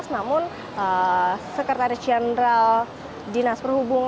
namun sekretaris jenderal dinas perhubungan